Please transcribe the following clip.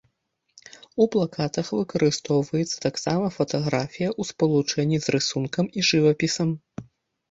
У плакатах выкарыстоўваецца таксама фатаграфія ў спалучэнні з рысункам і з жывапісам.